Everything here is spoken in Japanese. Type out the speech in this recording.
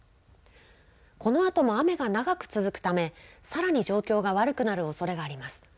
このあとも雨が長く続くため、さらに状況が悪くなるおそれがあります。